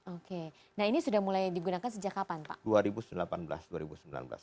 oke nah ini sudah mulai digunakan sejak kapan pak